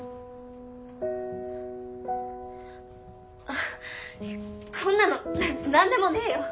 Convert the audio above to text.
あっこんなの何でもねえよ。